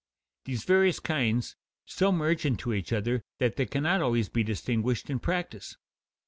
These various kinds so merge into each other that they cannot always be distinguished in practice.